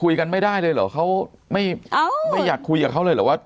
กันไม่ได้เลยเหรอเขาไม่ไม่อยากคุยกับเขาเลยเหรอว่า